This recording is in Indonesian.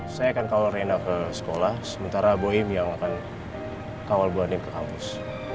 saya akan kawal rena ke sekolah sementara boim yang akan kawal bonim ke kampus